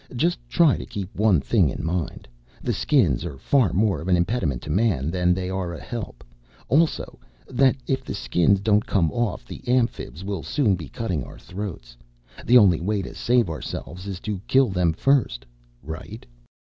Just try to keep one thing in mind the Skins are far more of an impediment to Man than they are a help. Also, that if the Skins don't come off the Amphibs will soon be cutting our throats. The only way to save ourselves is to kill them first. Right?"